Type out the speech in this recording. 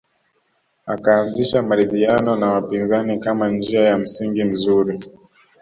Akaanzisha maridhiano na wapinzani kama njia ya msingi mizuri